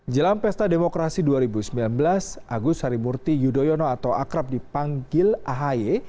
jelang pesta demokrasi dua ribu sembilan belas agus harimurti yudhoyono atau akrab dipanggil ahy